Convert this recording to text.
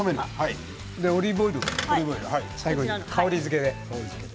オリーブオイル最後に香りづけで。